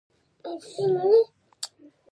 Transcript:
دماغ درد نه حس کوي.